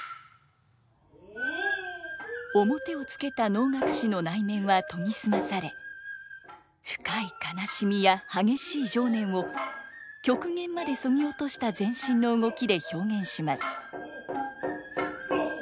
面をつけた能楽師の内面は研ぎ澄まされ深い悲しみや激しい情念を極限までそぎ落とした全身の動きで表現します。